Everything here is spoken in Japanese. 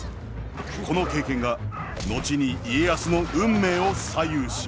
この経験が後に家康の運命を左右します。